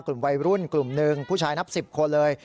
กลุ่มวัยรุ่นกลุ่มหนึ่งผู้ชายนับ๑๐คนเลย